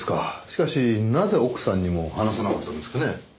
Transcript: しかしなぜ奥さんにも話さなかったんですかね？